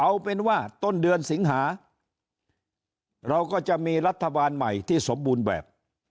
เอาเป็นว่าต้นเดือนสิงหาเราก็จะมีรัฐบาลใหม่ที่สมบูรณ์แบบ